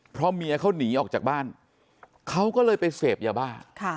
เพราะเมียเขาหนีออกจากบ้านเขาก็เลยไปเสพยาบ้า